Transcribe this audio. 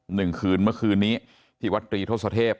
หนึ่งคืนเมื่อคืนนี้ที่วัดตรีทศเทพ